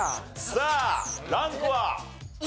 さあランクは？